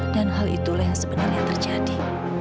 dan hal itulah yang sebenarnya terjadi